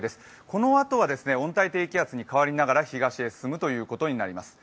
このあとは、温帯低気圧に変わりながら東へ進むということになります。